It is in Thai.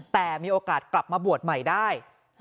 แต่มีโอกาสกลับมาบวชใหม่ได้